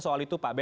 soal itu pak ben